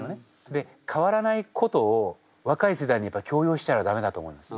で変わらないことを若い世代にやっぱ強要したら駄目だと思うんです。